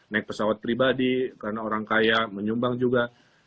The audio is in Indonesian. naik pesawat pribadi karena orang kaya menyumbang juga